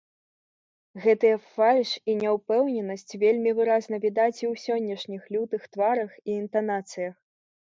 Гэтыя фальш і няўпэўненасць вельмі выразна відаць і ў сённяшніх лютых тварах і інтанацыях.